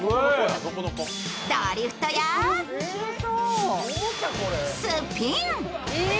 ドリフトやスピン。